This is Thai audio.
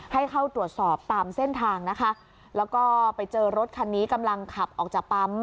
ให้เข้าตรวจสอบตามเส้นทางนะคะแล้วก็ไปเจอรถคันนี้กำลังขับออกจากปั๊ม